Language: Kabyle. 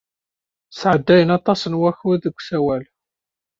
Sɛeddayen aṭas n wakud deg usawal.